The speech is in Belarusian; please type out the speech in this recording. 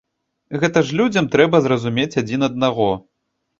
Гэта ж людзям трэба зразумець адзін аднаго.